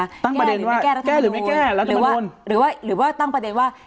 ตั้งประเด็นว่าแก้หรือไม่แก้รัฐมนต์หรือว่าหรือว่าหรือว่าตั้งประเด็นว่า